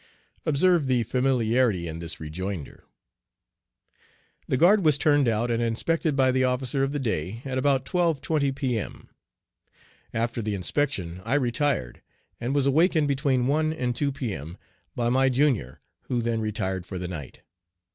Observe the familiarity in this rejoinder. The guard was turned out and inspected by the officer of the day at about 12.20 P.M. After the inspection I retired, and was awakened between 1 and 2 P.M. by my junior, who then retired for the night.